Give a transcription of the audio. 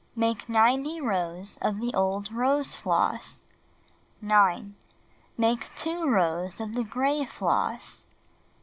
Make 90 rows of the old rose floss. Make 2 rows of the gray floss.